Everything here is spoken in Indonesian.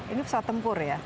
ini pesawat tempur ya